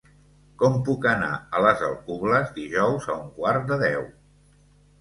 Com puc anar a les Alcubles dijous a un quart de deu?